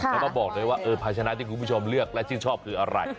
แล้วก็บอกเลยว่าภาชนะที่คุณผู้ชมเลือกและชื่นชอบคืออะไร